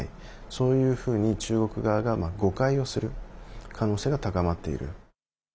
そういうふうに中国側が誤解をする可能性が高まっている。